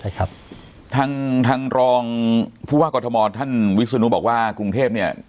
ใช่ครับทางทางรองผู้ว่ากรทมท่านวิศนุบอกว่ากรุงเทพเนี่ย